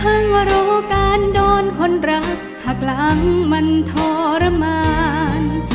ว่ารู้การโดนคนรักหักหลังมันทรมาน